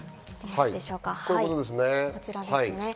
こちらですね。